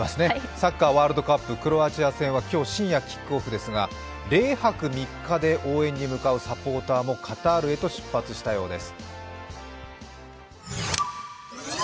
サッカーワールドカップ、クロアチア戦は今日深夜キックオフですが０泊３日で応援に向かうサポーターもカタールへと出発したようです。